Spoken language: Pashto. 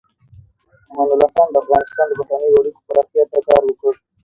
امان الله خان د افغانستان د بهرنیو اړیکو پراختیا ته کار وکړ.